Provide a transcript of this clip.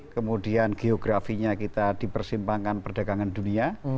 kemudian geografinya kita dipersimpangkan perdagangan dunia